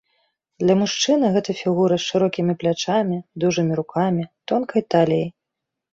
Для мужчыны гэта фігура з шырокімі плячамі, дужымі рукамі, тонкай таліяй.